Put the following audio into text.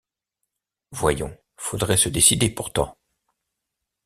Voyons, faudrait se décider pourtant!